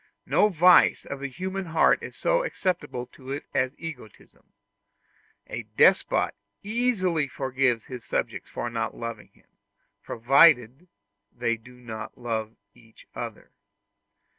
No vice of the human heart is so acceptable to it as egotism: a despot easily forgives his subjects for not loving him, provided they do not love each other.